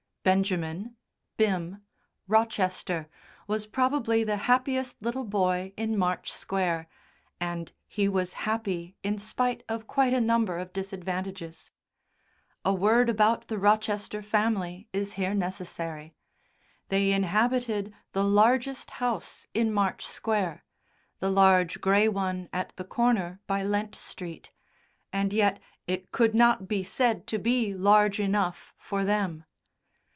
Benjamin (Bim) Rochester was probably the happiest little boy in March Square, and he was happy in spite of quite a number of disadvantages. A word about the Rochester family is here necessary. They inhabited the largest house in March Square the large grey one at the corner by Lent Street and yet it could not be said to be large enough for them.